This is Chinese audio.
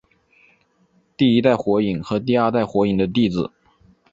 第一代火影和第二代火影的弟子。